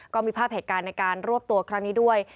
ก็มีภาพเหตุการณ์ในการรวบตัวครั้งนี้ด้วย